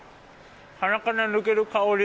鼻から抜ける香り。